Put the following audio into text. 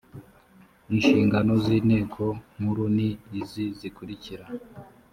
inshingano z ‘inteko nkuru ni izi zikurikira